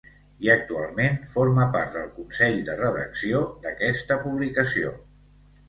I actualment forma part del consell de redacció d'aquesta publicació.